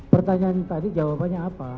pertanyaan tadi jawabannya apa